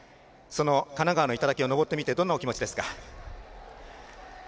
神奈川の頂を登ってみてどんなお気持ちですか？